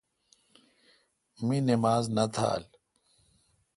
می نماز نہ تھال۔